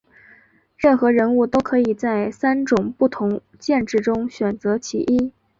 任何人物都可以在三种不同剑质中选择其一。